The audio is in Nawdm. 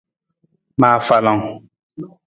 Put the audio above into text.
Ma afalang.